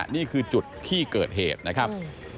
นี่คือจุดที่เกิดเหตุนะครับ